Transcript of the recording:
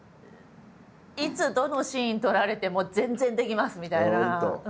いつどのシーン撮られても全然できますみたいな。